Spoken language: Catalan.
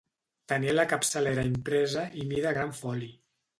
Tenia la capçalera impresa i mida gran foli.